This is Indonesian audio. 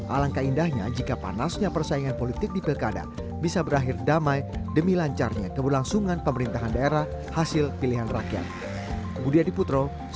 alangkah indahnya jika panasnya persaingan politik di pilkada bisa berakhir damai demi lancarnya keberlangsungan pemerintahan daerah hasil pilihan rakyat